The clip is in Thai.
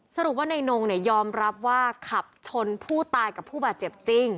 สรุปว่านายนงยอมรับว่าขับชนผู้ตายกับผู้บาดเจ็บจริง